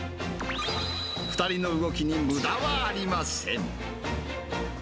２人の動きにむだはありません。